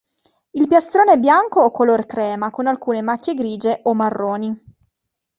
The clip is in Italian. Il piastrone è bianco o color crema, con alcune macchie grigie o marroni.